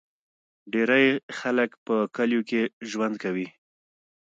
ډیری خلک په کلیو کې ژوند کوي.